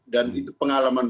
dan itu pengalaman